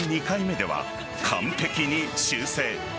２回目では完璧に修正。